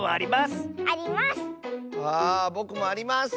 あぼくもあります！